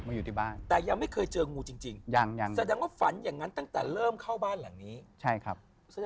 นอกจากตัวคุณแล้วมีคนอื่นฝันอีกไหมครับ